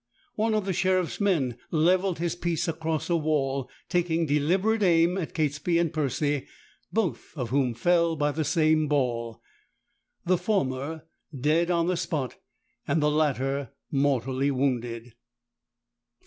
One of the sheriff's men levelled his piece across a wall, taking deliberate aim at Catesby and Percy, both of whom fell by the same ball, the former dead on the spot, and the latter mortally wounded.